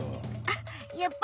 あっ